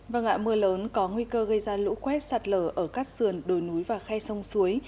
và ngạ mưa lớn có nguy cơ gây ra lũ quét sạt lở ở các sườn đồi núi và khe sông suối